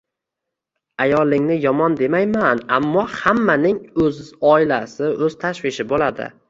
Ayolingni yomon demayman, ammo hammaning o`z oilasi, o`z tashvishi bo`ladi